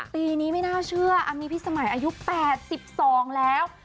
ปีนี้ไม่น่าเชื่ออันนี้พี่สมัยอายุ๘๒แล้ว